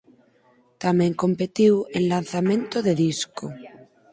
Tamén competiu en lanzamento de disco.